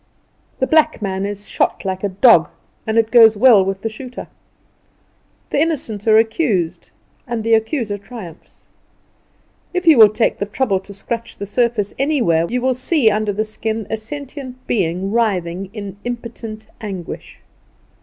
The black man is shot like a dog, and it goes well with the shooter. The innocent are accused and the accuser triumphs. If you will take the trouble to scratch the surface anywhere, you will see under the skin a sentient being writhing in impotent anguish."